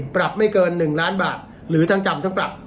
ปรับไม่เกิน๑ล้านบาทหรือทั้งจำทั้งปรับ